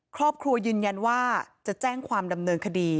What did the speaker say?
ครอบครัวยืนยันว่าจะแจ้งความดำเนินคดี